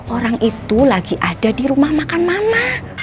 orang itu lagi ada di rumah makan mama